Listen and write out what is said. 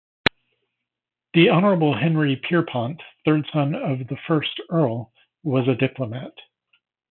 The Honourable Henry Pierrepont, third son of the first Earl, was a diplomat.